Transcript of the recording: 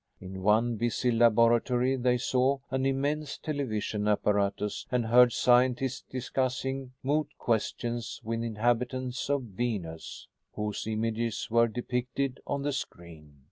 In one busy laboratory they saw an immense television apparatus and heard scientists discussing moot questions with inhabitants of Venus, whose images were depicted on the screen.